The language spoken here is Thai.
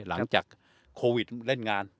หลังจากโควิดเล่นงาน